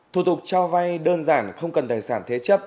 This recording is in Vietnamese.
thủ tục trao vai đơn giản không cần tài sản thế chấp